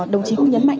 đồng chí cũng nhấn mạnh